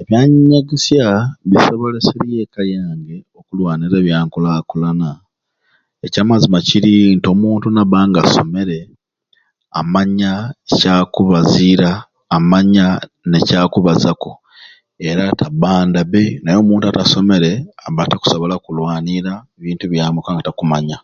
Ebyanyegesya bisoboleserye ekka yange okulwanira ebyankulakulana ekyamazima kiri nti omuntu naba nga asomere amanya kiki kyakubaziira amanya ne kyakubazaku era tabababda be naye omuntu atasomere aba takusobola kulwaniira bintu byamwei kubanga aba takumanya